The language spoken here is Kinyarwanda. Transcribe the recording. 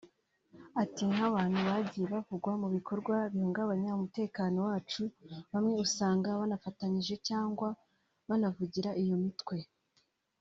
Ati “ Nk’abantu bagiye bavugwa mu bikorwa bihungabanya umutekano wacu bamwe usanga banafatanyije cyangwa banavugira iyo mitwe